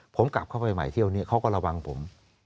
ผมกลับเข้าไปใหม่เที่ยวนี้เขาก็ระวังผม